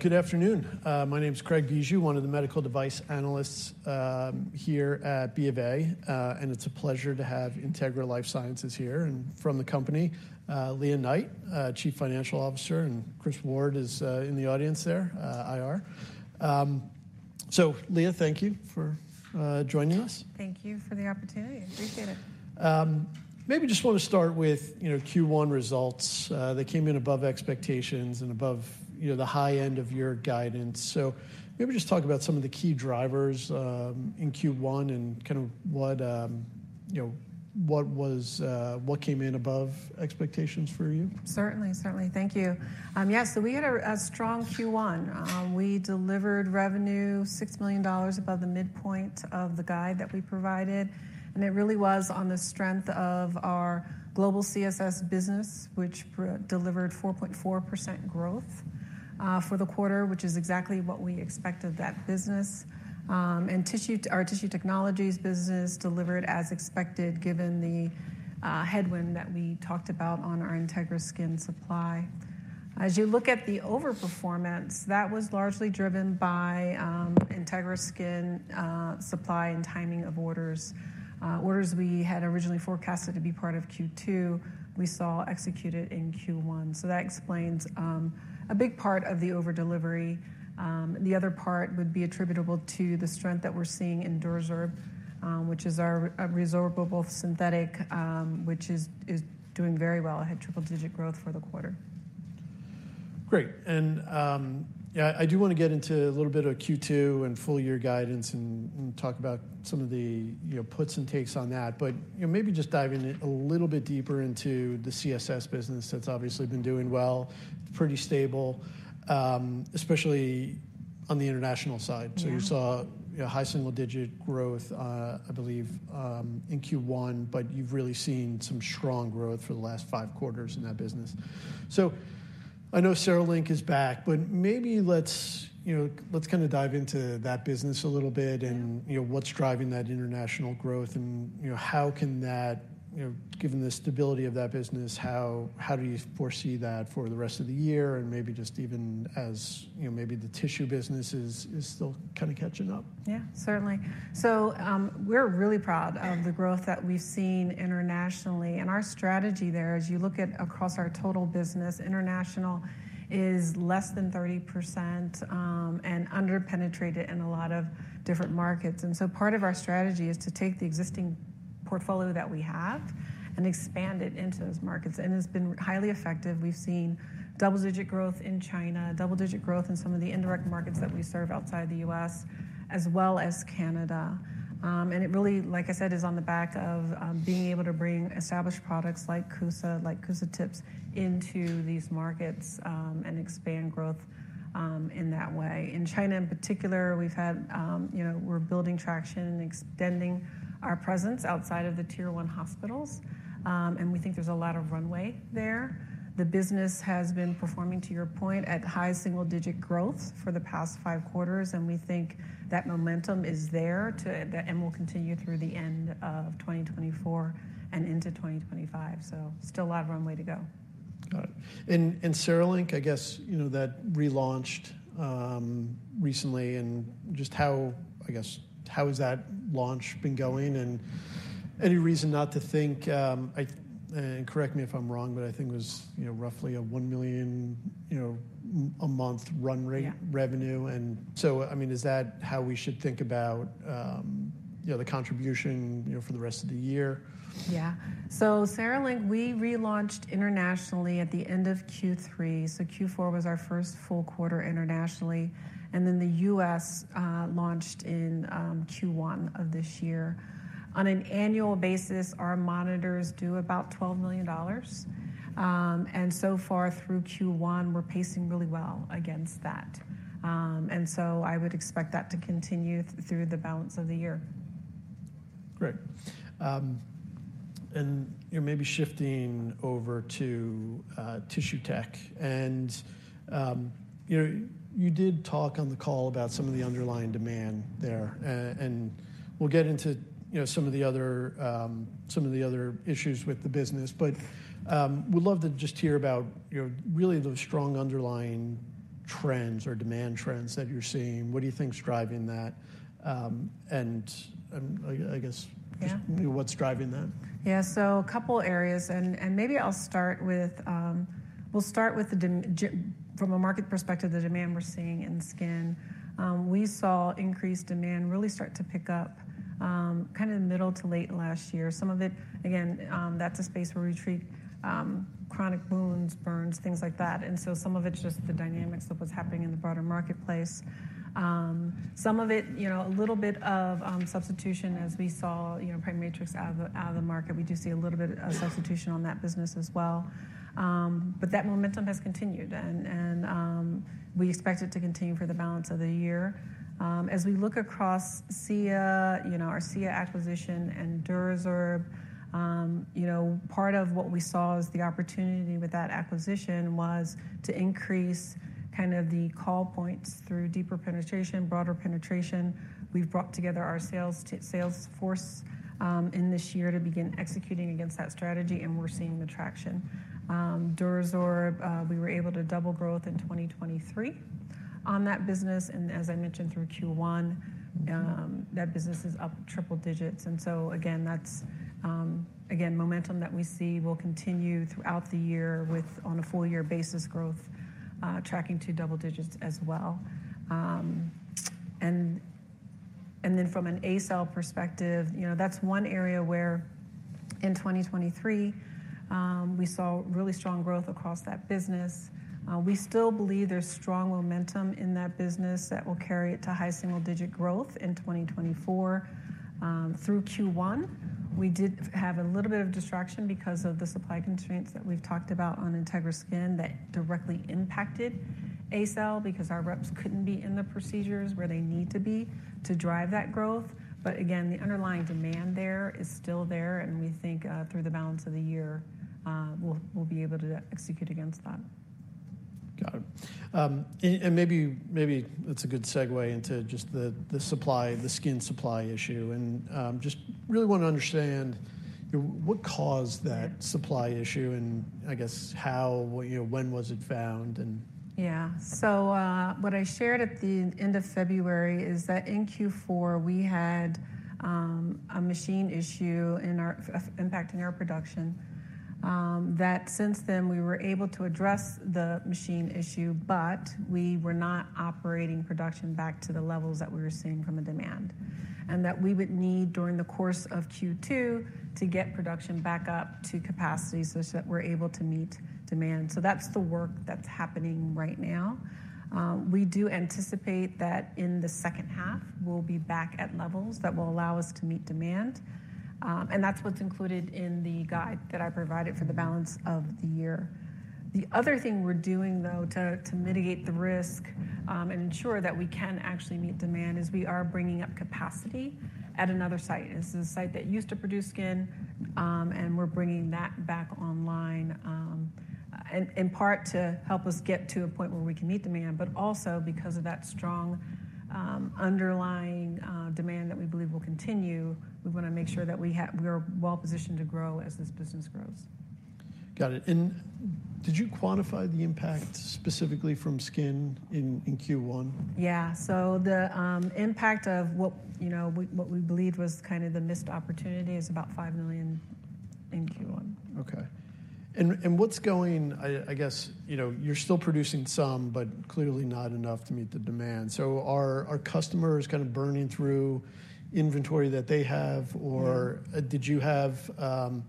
Good afternoon. My name is Craig Bijou, one of the medical device analysts here at BofA. It's a pleasure to have Integra LifeSciences here and from the company, Lea Knight, Chief Financial Officer. Chris Ward is in the audience there, IR. Lea Knight, thank you for joining us. Thank you for the opportunity. Appreciate it. Maybe just want to start with Q1 results. They came in above expectations and above the high end of your guidance. Maybe just talk about some of the key drivers in Q1 and kind of what came in above expectations for you. Certainly, certainly. Thank you. Yes, so we had a strong Q1. We delivered revenue $6 million above the midpoint of the guide that we provided. And it really was on the strength of our global CSS business, which delivered 4.4% growth for the quarter, which is exactly what we expected that business. And our Tissue Technologies business delivered as expected given the headwind that we talked about on our Integra Skin supply. As you look at the overperformance, that was largely driven by Integra Skin supply and timing of orders. Orders we had originally forecasted to be part of Q2, we saw executed in Q1. So that explains a big part of the overdelivery. The other part would be attributable to the strength that we're seeing in DuraSorb, which is our resorbable synthetic, which is doing very well. It had triple-digit growth for the quarter. Great. And I do want to get into a little bit of Q2 and full-year guidance and talk about some of the puts and takes on that. But maybe just diving a little bit deeper into the CSS business that's obviously been doing well. It's pretty stable, especially on the international side. So you saw high-single-digit growth, I believe, in Q1. But you've really seen some strong growth for the last five quarters in that business. So I know CereLink is back. But maybe let's kind of dive into that business a little bit and what's driving that international growth. And how can that, given the stability of that business, how do you foresee that for the rest of the year? And maybe just even as maybe the tissue business is still kind of catching up. Yeah, certainly. So we're really proud of the growth that we've seen internationally. And our strategy there, as you look at across our total business, international is less than 30% and under-penetrated in a lot of different markets. And so part of our strategy is to take the existing portfolio that we have and expand it into those markets. And it's been highly effective. We've seen double-digit growth in China, double-digit growth in some of the indirect markets that we serve outside the U.S., as well as Canada. And it really, like I said, is on the back of being able to bring established products like CUSA, like CUSA Tips, into these markets and expand growth in that way. In China in particular, we're building traction and extending our presence outside of the tier 1 hospitals. And we think there's a lot of runway there. The business has been performing, to your point, at high single-digit growth for the past five quarters. We think that momentum is there and will continue through the end of 2024 and into 2025. Still a lot of runway to go. Got it. And CereLink, I guess that relaunched recently. And just, I guess, how has that launch been going? And any reason not to think and correct me if I'm wrong, but I think it was roughly a $1 million a month run rate revenue. So, I mean, is that how we should think about the contribution for the rest of the year? Yeah. So CereLink, we relaunched internationally at the end of Q3. So Q4 was our first full quarter internationally. And then the U.S. launched in Q1 of this year. On an annual basis, our monitors do about $12 million. And so far through Q1, we're pacing really well against that. And so I would expect that to continue through the balance of the year. Great. Maybe shifting over to tissue tech. You did talk on the call about some of the underlying demand there. We'll get into some of the other issues with the business. We'd love to just hear about really the strong underlying trends or demand trends that you're seeing. What do you think's driving that? I guess, what's driving that? Yeah. So a couple areas. And maybe I'll start with, from a market perspective, the demand we're seeing in Skin. We saw increased demand really start to pick up kind of the middle to late last year. Some of it, again, that's a space where we treat chronic wounds, burns, things like that. And so some of it's just the dynamics of what's happening in the broader marketplace. Some of it, a little bit of substitution, as we saw PriMatrix out of the market. We do see a little bit of substitution on that business as well. But that momentum has continued. And we expect it to continue for the balance of the year. As we look across SIA, our SIA acquisition and DuraSorb, part of what we saw as the opportunity with that acquisition was to increase kind of the call points through deeper penetration, broader penetration. We've brought together our sales force in this year to begin executing against that strategy. We're seeing the traction. DuraSorb, we were able to double growth in 2023 on that business. As I mentioned, through Q1, that business is up triple-digits. So, again, that's, again, momentum that we see will continue throughout the year on a full-year basis growth, tracking to double-digits as well. Then from an ACell perspective, that's one area where, in 2023, we saw really strong growth across that business. We still believe there's strong momentum in that business that will carry it to high-single-digit growth in 2024 through Q1. We did have a little bit of distraction because of the supply constraints that we've talked about on Integra Skin that directly impacted ACell because our reps couldn't be in the procedures where they need to be to drive that growth. But again, the underlying demand there is still there. And we think, through the balance of the year, we'll be able to execute against that. Got it. Maybe that's a good segue into just the Skin supply issue. Just really want to understand what caused that supply issue. I guess, when was it found? Yeah. So what I shared at the end of February is that, in Q4, we had a machine issue impacting our production. That, since then, we were able to address the machine issue. But we were not operating production back to the levels that we were seeing from the demand and that we would need, during the course of Q2, to get production back up to capacity so that we're able to meet demand. So that's the work that's happening right now. We do anticipate that, in the H2, we'll be back at levels that will allow us to meet demand. And that's what's included in the guide that I provided for the balance of the year. The other thing we're doing, though, to mitigate the risk and ensure that we can actually meet demand is we are bringing up capacity at another site. It's a site that used to produce Skin. We're bringing that back online, in part to help us get to a point where we can meet demand. But also, because of that strong underlying demand that we believe will continue, we want to make sure that we are well positioned to grow as this business grows. Got it. Did you quantify the impact specifically from Skin in Q1? Yeah. So the impact of what we believed was kind of the missed opportunity is about $5 million in Q1. OK. And what's going, I guess, you're still producing some, but clearly not enough to meet the demand. So are customers kind of burning through inventory that they have? Or did you have a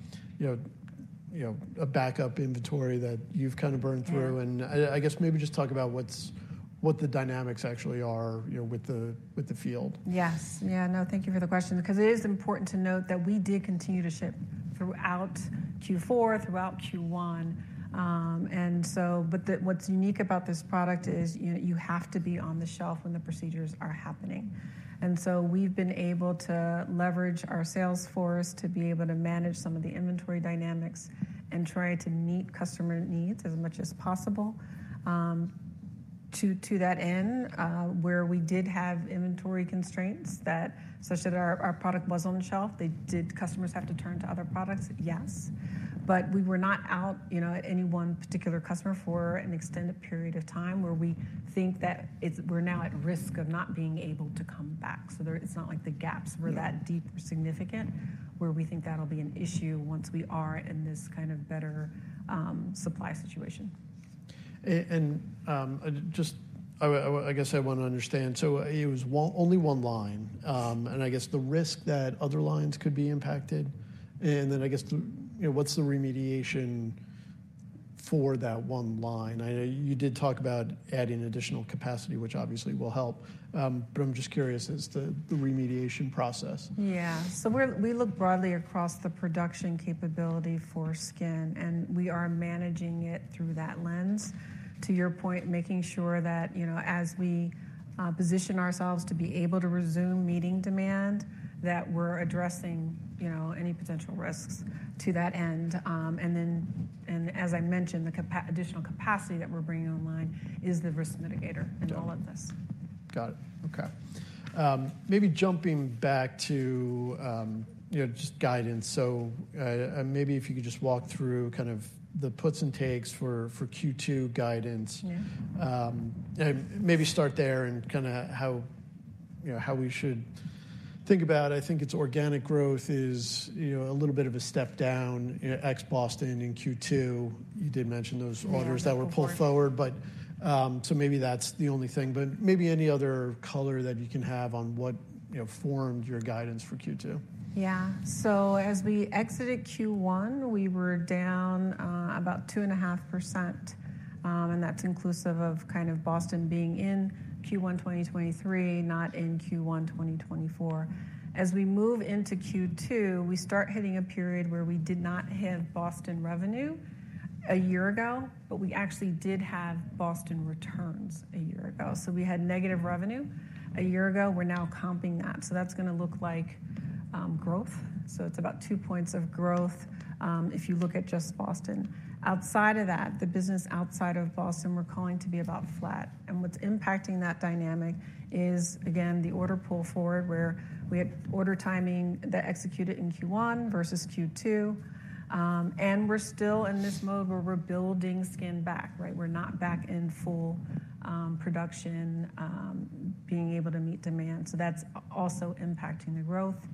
backup inventory that you've kind of burned through? And I guess, maybe just talk about what the dynamics actually are with the field. Yes. Yeah. No, thank you for the question. Because it is important to note that we did continue to ship throughout Q4, throughout Q1. But what's unique about this product is you have to be on the shelf when the procedures are happening. And so we've been able to leverage our sales force to be able to manage some of the inventory dynamics and try to meet customer needs as much as possible. To that end, where we did have inventory constraints, such that our product was on the shelf, did customers have to turn to other products? Yes. But we were not out at any one particular customer for an extended period of time where we think that we're now at risk of not being able to come back. It's not like the gaps were that deep or significant where we think that'll be an issue once we are in this kind of better supply situation. Just, I guess, I want to understand. It was only one line. I guess, the risk that other lines could be impacted. Then, I guess, what's the remediation for that one line? I know you did talk about adding additional capacity, which obviously will help. But I'm just curious as to the remediation process. Yeah. So we look broadly across the production capability for Skin. And we are managing it through that lens, to your point, making sure that, as we position ourselves to be able to resume meeting demand, that we're addressing any potential risks to that end. And then, as I mentioned, the additional capacity that we're bringing online is the risk mitigator in all of this. Got it. OK. Maybe jumping back to just guidance. So maybe if you could just walk through kind of the puts and takes for Q2 guidance. Maybe start there and kind of how we should think about it. I think it's organic growth is a little bit of a step down. Ex-Boston in Q2, you did mention those orders that were pulled forward. So maybe that's the only thing. But maybe any other color that you can have on what formed your guidance for Q2. Yeah. So as we exited Q1, we were down about 2.5%. And that's inclusive of kind of Boston being in Q1 2023, not in Q1 2024. As we move into Q2, we start hitting a period where we did not have Boston revenue a year ago. But we actually did have Boston returns a year ago. So we had negative revenue a year ago. We're now comping that. So that's going to look like growth. So it's about two points of growth if you look at just Boston. Outside of that, the business outside of Boston, we're calling to be about flat. And what's impacting that dynamic is, again, the order pull forward, where we had order timing that executed in Q1 versus Q2. And we're still in this mode where we're building Skin back. We're not back in full production, being able to meet demand. That's also impacting the growth.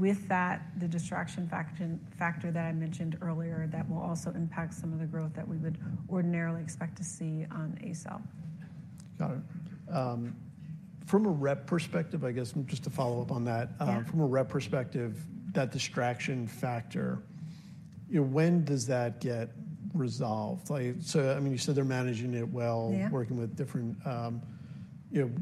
With that, the distraction factor that I mentioned earlier that will also impact some of the growth that we would ordinarily expect to see on ACell. Got it. From a rep perspective, I guess, just to follow up on that, from a rep perspective, that distraction factor, when does that get resolved? So, I mean, you said they're managing it well,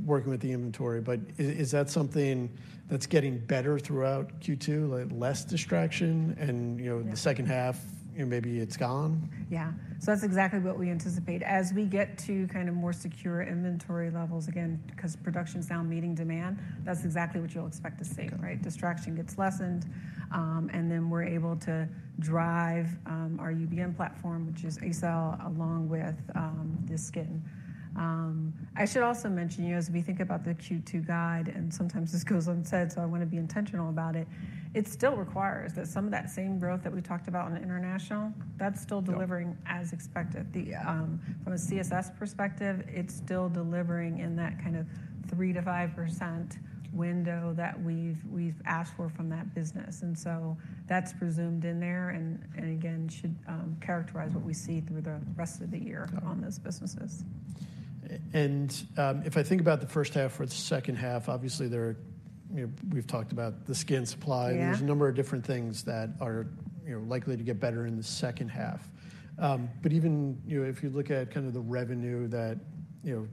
working with the inventory. But is that something that's getting better throughout Q2, less distraction, and the H2, maybe it's gone? Yeah. So that's exactly what we anticipate. As we get to kind of more secure inventory levels, again, because production's now meeting demand, that's exactly what you'll expect to see. Distraction gets lessened. And then we're able to drive our UBM platform, which is ACell, along with the Skin. I should also mention, as we think about the Q2 guide and sometimes this goes unsaid, so I want to be intentional about it, it still requires that some of that same growth that we talked about on international, that's still delivering as expected. From a CSS perspective, it's still delivering in that kind of 3%-5% window that we've asked for from that business. And so that's presumed in there and, again, should characterize what we see through the rest of the year on those businesses. If I think about the H1 or the H2, obviously, we've talked about the Skin supply. There's a number of different things that are likely to get better in the H2. But even if you look at kind of the revenue, that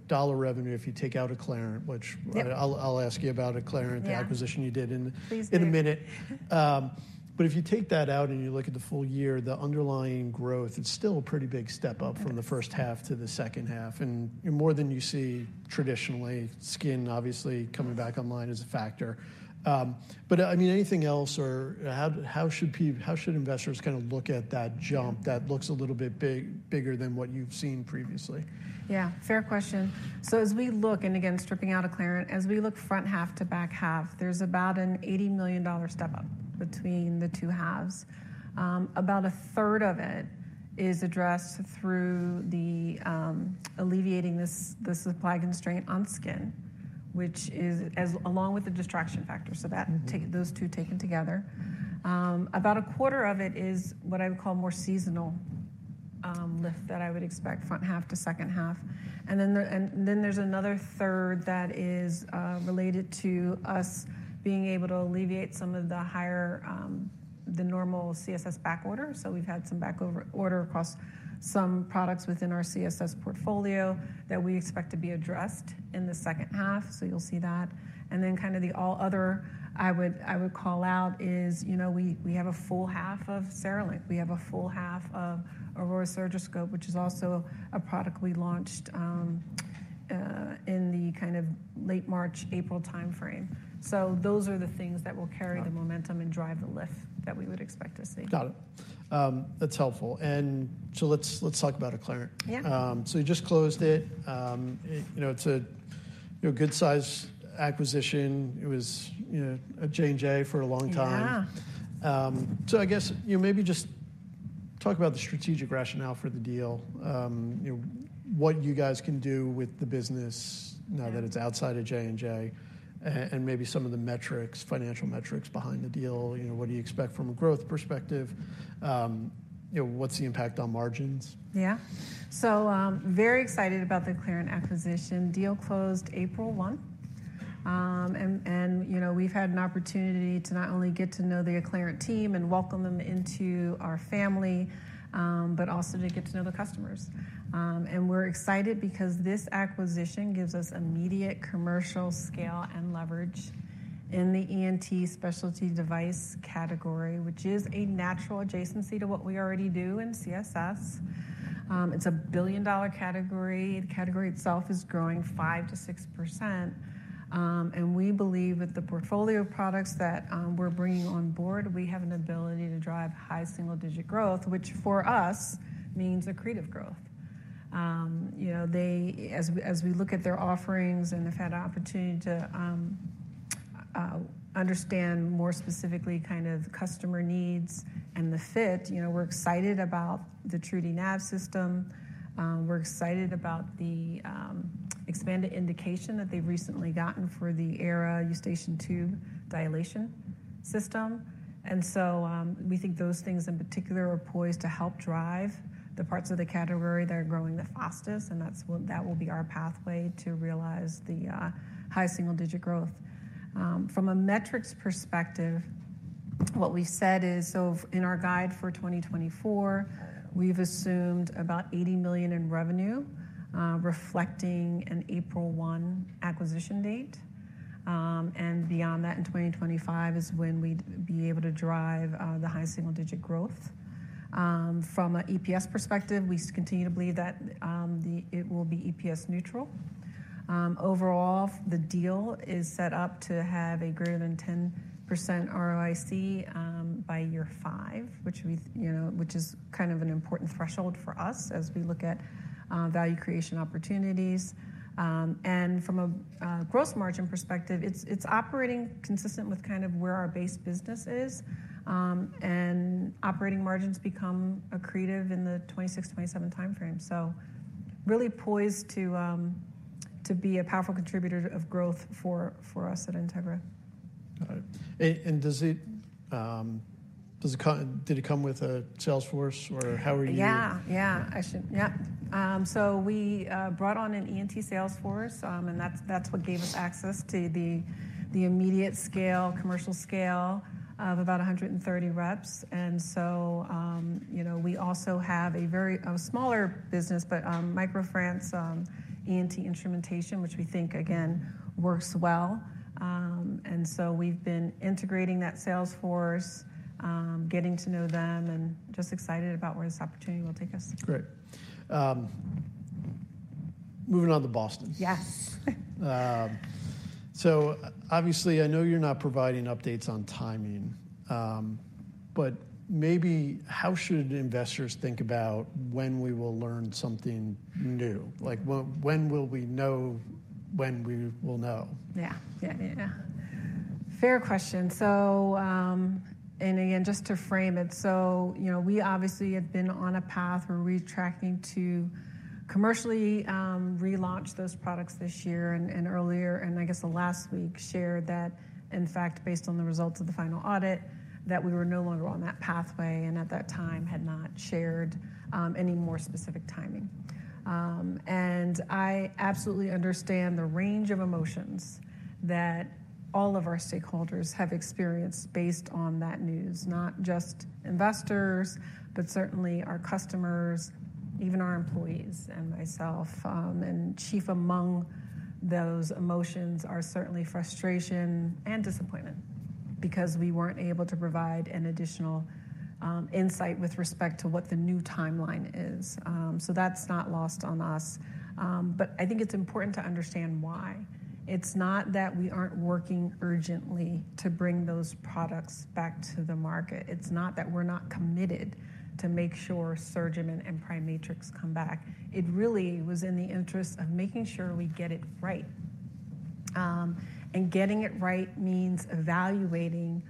dollar revenue, if you take out Acclarent, which I'll ask you about, Acclarent, the acquisition you did in a minute. But if you take that out and you look at the full year, the underlying growth, it's still a pretty big step up from the H1 to the H2, and more than you see traditionally. Skin, obviously, coming back online is a factor. But, I mean, anything else? Or how should investors kind of look at that jump that looks a little bit bigger than what you've seen previously? Yeah. Fair question. So as we look and, again, stripping out Acclarent, as we look front half to back half, there's about an $80 million step up between the two halves. About a third of it is addressed through alleviating the supply constraint on Skin, along with the distraction factor. So those two taken together, about a quarter of it is what I would call more seasonal lift that I would expect front half to H2. And then there's another third that is related to us being able to alleviate some of the normal CSS back order. So we've had some back order across some products within our CSS portfolio that we expect to be addressed in the H2. So you'll see that. And then kind of the all other I would call out is we have a full half of CereLink. We have a full half of Aurora Surgiscope, which is also a product we launched in the kind of late March-April time frame. So those are the things that will carry the momentum and drive the lift that we would expect to see. Got it. That's helpful. Let's talk about Acclarent. So you just closed it. It's a good-sized acquisition. It was a J&J for a long time. So I guess, maybe just talk about the strategic rationale for the deal, what you guys can do with the business now that it's outside of J&J, and maybe some of the financial metrics behind the deal. What do you expect from a growth perspective? What's the impact on margins? Yeah. Very excited about the Acclarent acquisition. Deal closed April 1st. We've had an opportunity to not only get to know the Acclarent team and welcome them into our family, but also to get to know the customers. We're excited because this acquisition gives us immediate commercial scale and leverage in the ENT specialty device category, which is a natural adjacency to what we already do in CSS. It's a billion-dollar category. The category itself is growing 5%-6%. We believe, with the portfolio of products that we're bringing on board, we have an ability to drive high-single-digit growth, which, for us, means an accretive growth. As we look at their offerings and have had an opportunity to understand more specifically kind of customer needs and the fit, we're excited about the TruDi Nav system. We're excited about the expanded indication that they've recently gotten for the AERA Eustachian Tube Dilation System. So we think those things, in particular, are poised to help drive the parts of the category that are growing the fastest. That will be our pathway to realize the high-single-digit growth. From a metrics perspective, what we've said is, so in our guide for 2024, we've assumed about $80 million in revenue, reflecting an April 1st acquisition date. Beyond that, in 2025, is when we'd be able to drive the high-single-digit growth. From an EPS perspective, we continue to believe that it will be EPS neutral. Overall, the deal is set up to have a greater than 10% ROIC by year five, which is kind of an important threshold for us as we look at value creation opportunities. From a gross margin perspective, it's operating consistent with kind of where our base business is. Operating margins become accretive in the 26%-27% time frame. Really poised to be a powerful contributor of growth for us at Integra. Got it. Did it come with a Salesforce? Or how were you? Yeah. Yeah. Yep. So we brought on an ENT sales force. And that's what gave us access to the immediate scale, commercial scale of about 130 reps. And so we also have a smaller business, but MicroFrance ENT instrumentation, which we think, again, works well. And so we've been integrating that sales force, getting to know them, and just excited about where this opportunity will take us. Great. Moving on to Boston. Yes. Obviously, I know you're not providing updates on timing. Maybe how should investors think about when we will learn something new? When will we know when we will know? Yeah. Yeah. Yeah. Fair question. Again, just to frame it, so we obviously have been on a path. We're retracking to commercially relaunch those products this year. Earlier, and I guess last week, shared that, in fact, based on the results of the final audit, that we were no longer on that pathway and, at that time, had not shared any more specific timing. I absolutely understand the range of emotions that all of our stakeholders have experienced based on that news, not just investors, but certainly our customers, even our employees and myself. Chief among those emotions are certainly frustration and disappointment because we weren't able to provide an additional insight with respect to what the new timeline is. That's not lost on us. But I think it's important to understand why. It's not that we aren't working urgently to bring those products back to the market. It's not that we're not committed to make sure SurgiMend and PriMatrix come back. It really was in the interest of making sure we get it right. Getting it right means evaluating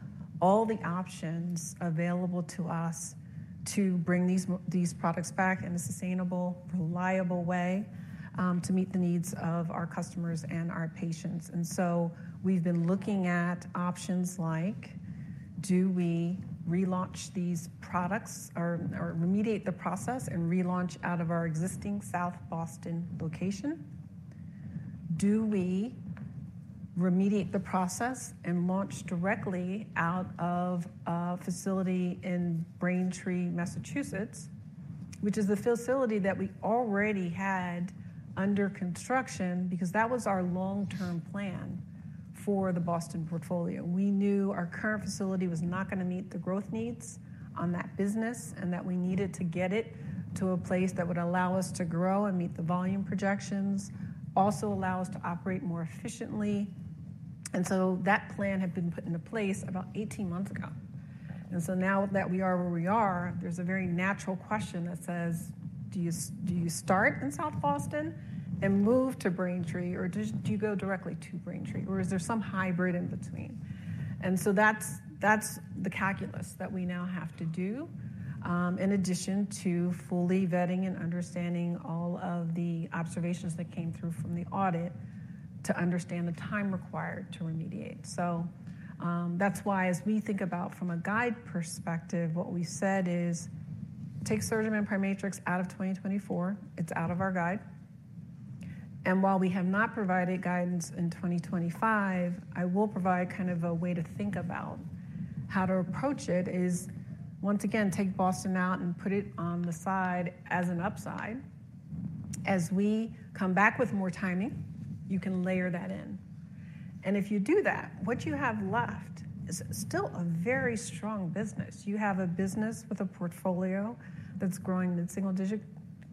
all the options available to us to bring these products back in a sustainable, reliable way to meet the needs of our customers and our patients. So we've been looking at options like, do we relaunch these products or remediate the process and relaunch out of our existing South Boston location? Do we remediate the process and launch directly out of a facility in Braintree, Massachusetts, which is the facility that we already had under construction because that was our long-term plan for the Boston portfolio? We knew our current facility was not going to meet the growth needs on that business and that we needed to get it to a place that would allow us to grow and meet the volume projections, also allow us to operate more efficiently. And so that plan had been put into place about 18 months ago. And so now that we are where we are, there's a very natural question that says, do you start in South Boston and move to Braintree, or do you go directly to Braintree? Or is there some hybrid in between? And so that's the calculus that we now have to do, in addition to fully vetting and understanding all of the observations that came through from the audit to understand the time required to remediate. So that's why, as we think about from a guide perspective, what we said is, take SurgiMend and PriMatrix out of 2024. It's out of our guide. And while we have not provided guidance in 2025, I will provide kind of a way to think about how to approach it is, once again, take Boston out and put it on the side as an upside. As we come back with more timing, you can layer that in. And if you do that, what you have left is still a very strong business. You have a business with a portfolio that's growing in single-digit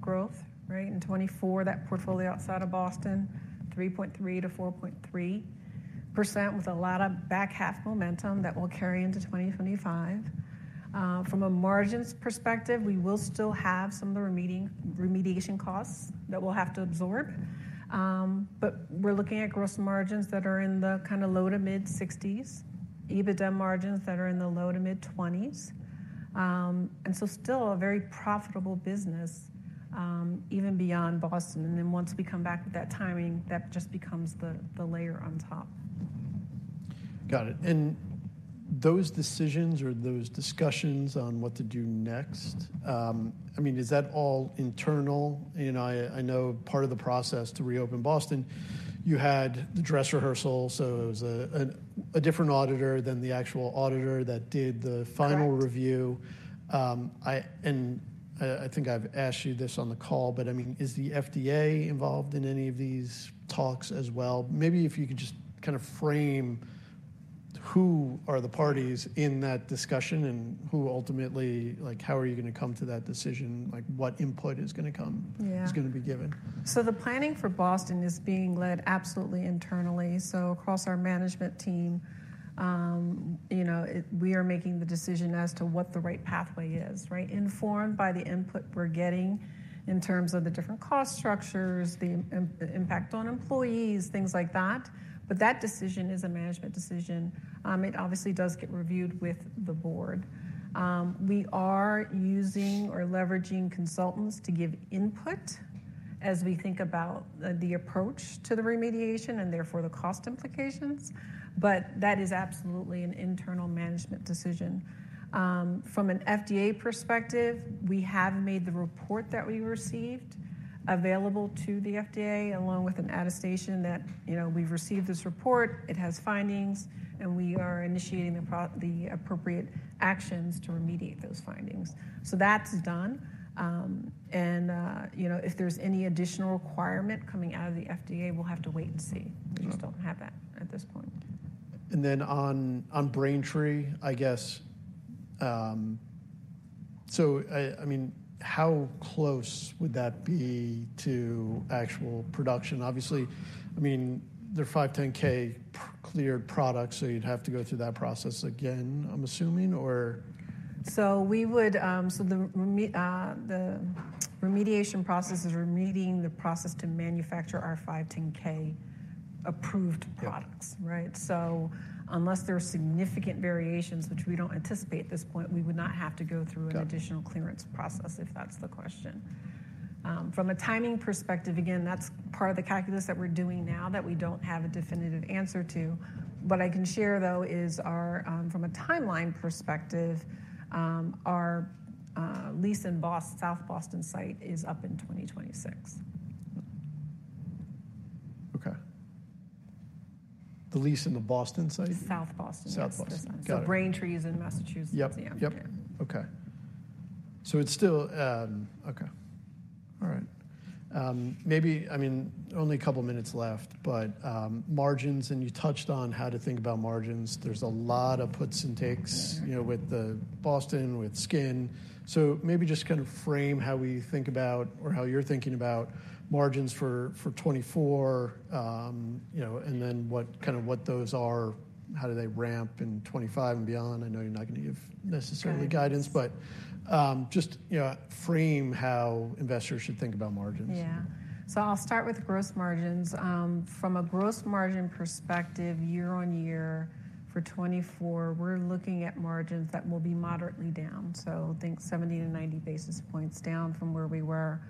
growth in 2024, that portfolio outside of Boston, 3.3%-4.3% with a lot of back half momentum that will carry into 2025. From a margins perspective, we will still have some of the remediation costs that we'll have to absorb. But we're looking at gross margins that are in the kind of low- to mid-60s%, EBITDA margins that are in the low- to mid-20s%, and so still a very profitable business even beyond Boston. And then once we come back with that timing, that just becomes the layer on top. Got it. And those decisions or those discussions on what to do next, I mean, is that all internal? I know part of the process to reopen Boston, you had the dress rehearsal. So it was a different auditor than the actual auditor that did the final review. And I think I've asked you this on the call. But, I mean, is the FDA involved in any of these talks as well? Maybe if you could just kind of frame who are the parties in that discussion and who ultimately, how are you going to come to that decision? What input is going to come is going to be given? So the planning for Boston is being led absolutely internally. So across our management team, we are making the decision as to what the right pathway is, informed by the input we're getting in terms of the different cost structures, the impact on employees, things like that. But that decision is a management decision. It obviously does get reviewed with the board. We are using or leveraging consultants to give input as we think about the approach to the remediation and, therefore, the cost implications. But that is absolutely an internal management decision. From an FDA perspective, we have made the report that we received available to the FDA, along with an attestation that we've received this report. It has findings. And we are initiating the appropriate actions to remediate those findings. So that's done. If there's any additional requirement coming out of the FDA, we'll have to wait and see. We just don't have that at this point. Then on Braintree, I guess, so, I mean, how close would that be to actual production? Obviously, I mean, they're 510(k) cleared products. So you'd have to go through that process again, I'm assuming? Or? So the remediation process is remediating the process to manufacture our 510K approved products. So unless there are significant variations, which we don't anticipate at this point, we would not have to go through an additional clearance process, if that's the question. From a timing perspective, again, that's part of the calculus that we're doing now that we don't have a definitive answer to. What I can share, though, is, from a timeline perspective, our lease in South Boston site is up in 2026. OK. The lease in the Boston site? South Boston. South Boston. So Braintree is in Massachusetts, the empty. Yep. Yep. OK. So it's still OK. All right. Maybe, I mean, only a couple of minutes left. But margins, and you touched on how to think about margins. There's a lot of puts and takes with Boston, with Skin. So maybe just kind of frame how we think about or how you're thinking about margins for 2024 and then kind of what those are, how do they ramp in 2025 and beyond? I know you're not going to give necessarily guidance. But just frame how investors should think about margins. Yeah. So I'll start with gross margins. From a gross margin perspective, year-on-year for 2024, we're looking at margins that will be moderately down. So I think 70 basis points-90 basis points down from where we were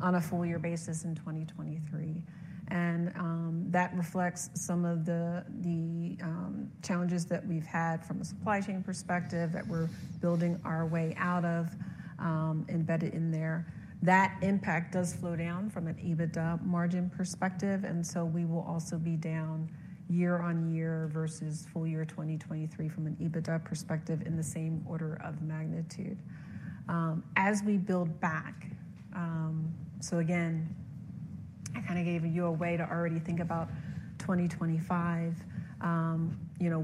on a full-year basis in 2023. And that reflects some of the challenges that we've had from a supply chain perspective that we're building our way out of embedded in there. That impact does slow down from an EBITDA margin perspective. And so we will also be down year-on-year versus full year 2023 from an EBITDA perspective in the same order of magnitude as we build back. So, again, I kind of gave you a way to already think about 2025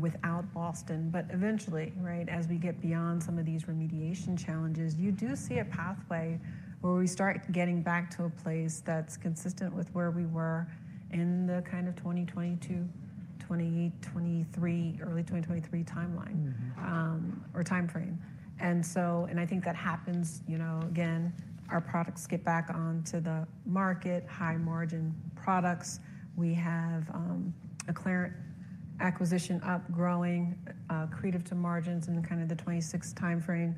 without Boston. But eventually, as we get beyond some of these remediation challenges, you do see a pathway where we start getting back to a place that's consistent with where we were in the kind of 2022, 2018, 2023, early 2023 timeline or time frame. And I think that happens. Again, our products get back onto the market, high margin products. We have a clearance. Acquisitions growing, accretive to margins in kind of the 2026 time frame.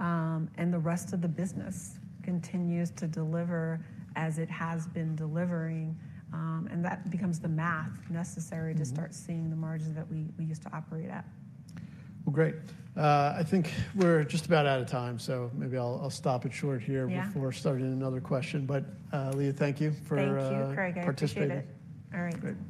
And the rest of the business continues to deliver as it has been delivering. And that becomes the math necessary to start seeing the margins that we used to operate at. Well, great. I think we're just about out of time. So maybe I'll stop it short here before starting another question. But, Lea Knight, thank you for participating. Thank you, Craig Bijou. I appreciate it. All right. Great.